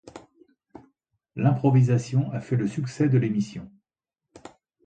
L'improvisation a fait le succès de l'émission.